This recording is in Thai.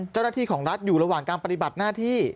เจ้าหน้าที่ของรัฐอยู่ระหว่างการปฏิบัติหน้าที่